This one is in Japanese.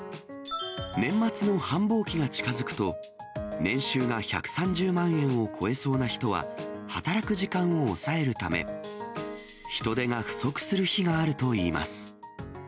年末の繁忙期が近づくと、年収が１３０万円を超えそうな人は、働く時間を抑えるため、人手が不足する日があるといいます。